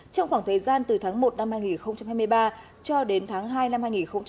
trong khoảng thời gian từ tháng một năm hai nghìn hai mươi ba cho đến tháng hai năm hai nghìn hai mươi bốn